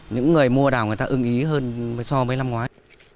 những người mua đào người ta ưng ý hơn so với năm ngoái